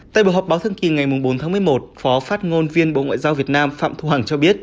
tại buổi họp báo thương kỳ ngày bốn tháng một mươi một phó phát ngôn viên bộ ngoại giao việt nam phạm thu hằng cho biết